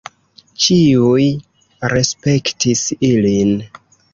Ĉiuj respektis ilin.